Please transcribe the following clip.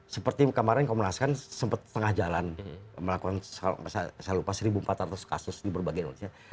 seperti kemarin kamu merasakan sempat setengah jalan melakukan saya lupa seribu empat ratus kasus di berbagai negara